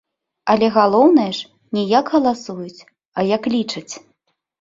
Але галоўнае ж, не як галасуюць, а як лічаць.